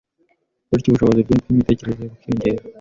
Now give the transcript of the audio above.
bityo ubushobozi bwe bw’imitekerereze bukiyongera